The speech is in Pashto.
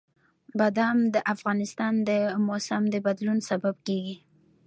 بادام د افغانستان د موسم د بدلون سبب کېږي.